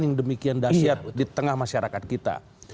yang demikian dahsyat di tengah masyarakat kita